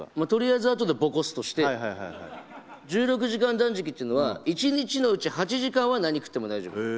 とりあえずあとでボコすとして１６時間断食っていうのは１日のうち８時間は何を食っても大丈夫。